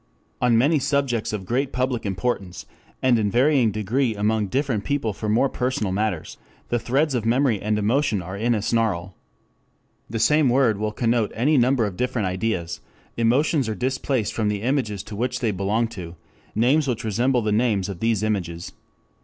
4 On many subjects of great public importance, and in varying degree among different people for more personal matters, the threads of memory and emotion are in a snarl. The same word will connote any number of different ideas: emotions are displaced from the images to which they belong to names which resemble the names of these images.